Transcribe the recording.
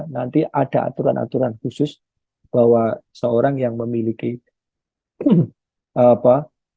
nanti ada aturan aturan khusus bahwa seorang yang memiliki apa